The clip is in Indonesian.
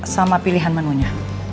sama pilihan menunya